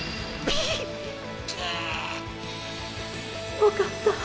よかったぁ